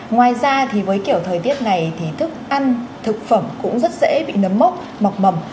ngoài ra thì với kiểu thời tiết này thì thức ăn thực phẩm cũng rất dễ bị nấm mốc mọc mầm